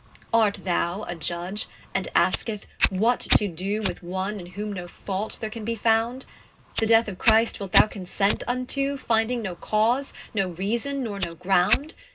Art thou a Iudge, and askest, What to doe With One, in whom no fault there can be found? The death of Christ wilt thou consent vnto Finding no cause, no reason, nor no ground?